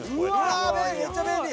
うわめっちゃ便利。